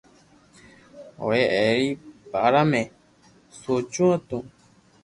ھوئي اي ري بارا ۾ سوچو ھونن